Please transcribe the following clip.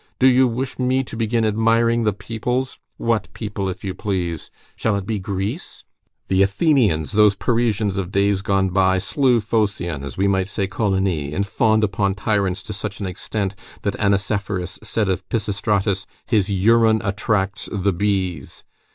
Do you wish me to begin admiring the peoples? What people, if you please? Shall it be Greece? The Athenians, those Parisians of days gone by, slew Phocion, as we might say Coligny, and fawned upon tyrants to such an extent that Anacephorus said of Pisistratus: "His urine attracts the bees."